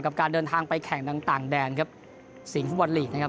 กับการเดินทางไปแข่งต่างแดนครับสีฟุบอล์นลีกฯนะครับ